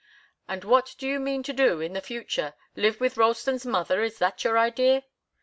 "And what do you mean to do in the future? Live with Ralston's mother? Is that your idea?"